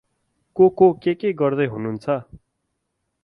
को को के के गर्दै हनुहुन्छ?